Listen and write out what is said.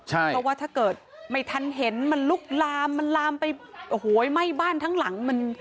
เพราะว่าถ้าเกิดไม่ทันเห็นมันลุกลามมาไหม้บ้านทั้งหลัง